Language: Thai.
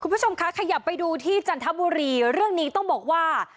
คุณผู้ชมคะขยับไปดูที่จันทบุรีเรื่องนี้ต้องบอกว่า